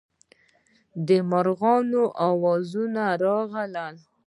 د مارغانو اوازونه راغلل.